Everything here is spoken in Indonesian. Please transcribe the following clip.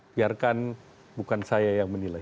biarkan bukan saya yang menilai